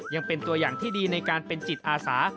ยังเป็นตัวอย่างที่ดีในการเป็นจิตอาสา